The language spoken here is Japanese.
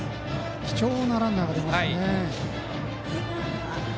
貴重なランナーが出ましたね。